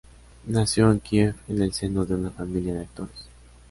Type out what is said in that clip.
Nació en Kiev en el seno de una familia de actores.